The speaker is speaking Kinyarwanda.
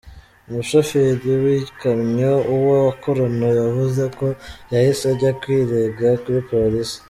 Umushoferi w’iyikamyo uwo bakorana yavuze ko yahise ajya kwirega kuri Polisi.